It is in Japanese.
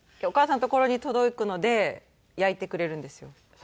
お義母さんの所に届くので焼いてくれるんですよ。